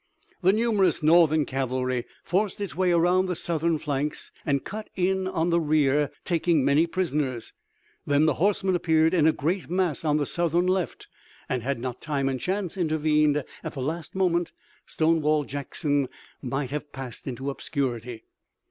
The numerous Northern cavalry forced its way around the Southern flanks, and cut in on the rear, taking many prisoners. Then the horsemen appeared in a great mass on the Southern left, and had not time and chance intervened at the last moment Stonewall Jackson might have passed into obscurity.